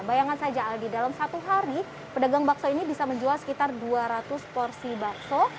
bayangkan saja aldi dalam satu hari pedagang bakso ini bisa menjual sekitar dua ratus porsi bakso